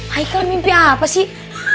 heikal mimpi apa sih